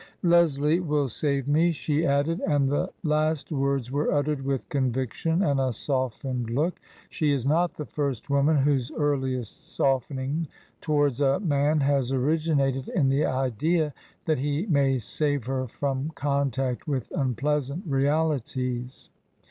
" Leslie will save me," she added. And the last words were uttered with conviction and a softened look. She is not the first woman whose earliest softening towards a man has originated in the idea that he may save her from contact with unpleasant realities.